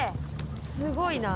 すごいな。